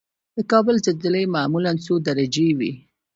د کابل زلزلې معمولا څو درجې وي؟